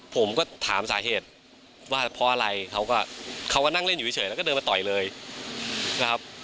ผมก็ถามสาเหตุว่าเพราะอะไรเขาก็เขาก็นั่งเล่นอยู่เฉยแล้วก็เดินมาต่อยเลยนะครับ